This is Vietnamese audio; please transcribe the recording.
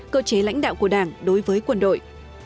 cơ chế lãnh đạo của đảng đối với quân đội